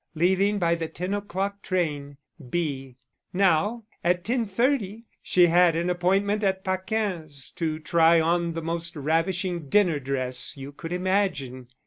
Leaving by the 10 o'clock train. B." _Now at 10.30 she had an appointment at Paquin's to try on the most ravishing dinner dress you could imagine.